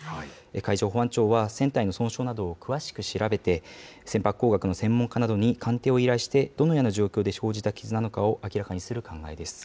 海上保安庁は、船体の損傷などを詳しく調べて、船舶工学の専門家などに鑑定を依頼して、どのような状況で生じた傷なのかを明らかにする考えです。